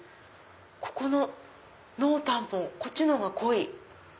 ここの濃淡もこっちのほうが濃い。